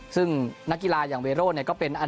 ซึ่งนักกีฬายังเวโร่นักกีฬาฟุตซอล์เป็น